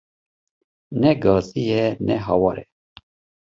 Ne gazî ye ne hawar e